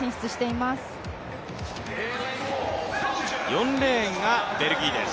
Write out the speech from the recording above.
４レーンがベルギーです。